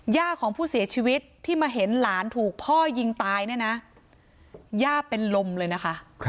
ย่าของผู้เสียชีวิตที่มาเห็นหลานถูกพ่อยิงตายเนี่ยนะย่าเป็นลมเลยนะคะ